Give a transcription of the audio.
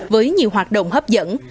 với nhiều hoạt động hấp dẫn